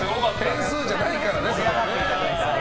点数じゃないからね。